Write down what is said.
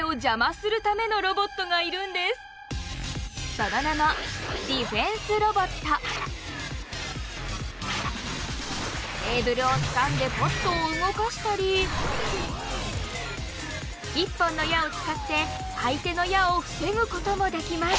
その名もテーブルをつかんでポットを動かしたり１本の矢を使って相手の矢を防ぐこともできます。